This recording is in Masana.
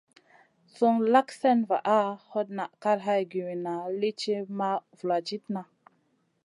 Sùn lak slèna vaʼa, hot naʼ kal hay giwinna lì ti ma vuladidna.